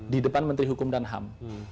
di depan menteri hukum dan ham